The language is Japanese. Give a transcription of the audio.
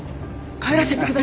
帰らせてください。